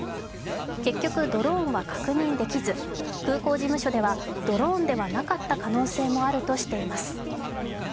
結局、ドローンは確認できず、空港事務所ではドローンではなかった可能性もあるとしています。